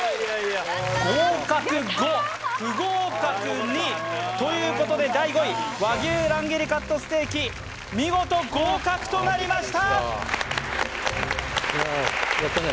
合格５不合格２ということで第５位和牛乱切りカットステーキ見事合格となりました